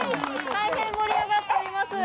大変盛り上がっております。